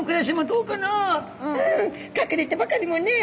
「うん隠れてばかりもねえ」。